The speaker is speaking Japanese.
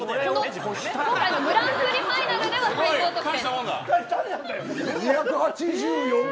今回グランプリファイナルでは最高得点。